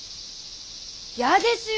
やですよ